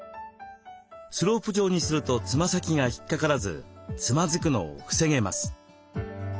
スロープ状にするとつま先が引っかからずつまずくのを防げます。